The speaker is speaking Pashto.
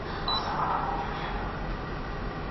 تا خو د زمان د سمندر څپو ته واچول